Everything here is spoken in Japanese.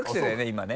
今ね。